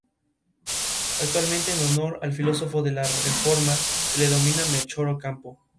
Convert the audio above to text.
Creían que los empresarios podían ser la fuerza motriz para reactivar la economía.